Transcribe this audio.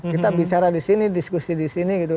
kita bicara di sini diskusi di sini gitu